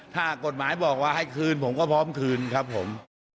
ถ้ากฎหมายบอกว่าให้คืนผมก็พร้อมคืนครับผม